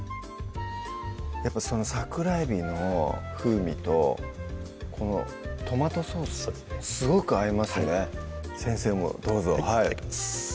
やっぱ桜えびの風味とこのトマトソースすごく合いますね先生もどうぞいただきます